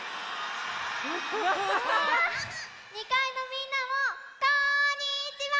２かいのみんなもこんにちは！